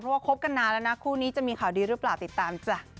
เพราะว่าคบกันนานแล้วนะคู่นี้จะมีข่าวดีหรือเปล่าติดตามจ้ะ